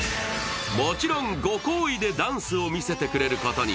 もちろんご好意でダンスを見せてくれることに。